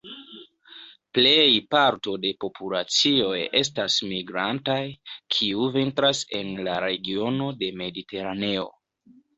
Plej parto de populacioj estas migrantaj, kiu vintras en la regiono de Mediteraneo.